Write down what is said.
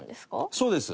そうです。